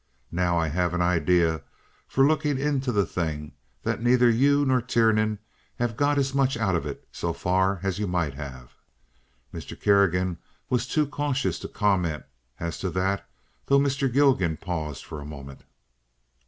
Now, I have an idea, from looking into the thing, that neither you nor Tiernan have got as much out of it so far as you might have." Mr. Kerrigan was too cautious to comment as to that, though Mr. Gilgan paused for a moment.